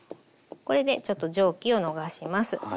これでちょっと蒸気を逃します。